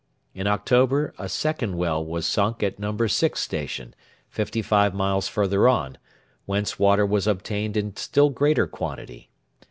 In October a second well was sunk at 'No. 6 Station,' fifty five miles further on, whence water was obtained in still greater quantity.